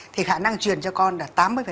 thì khả năng chuyển cho con là tám mươi